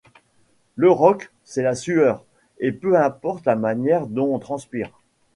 Le rock, c'est la sueur et peu importe la manière dont on transpire.